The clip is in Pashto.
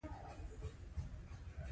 • ظالم انسان به خپل عاقبت ویني.